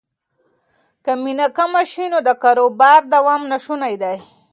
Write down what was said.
که مینه کمه شي نو د کاروبار دوام ناشونی دی.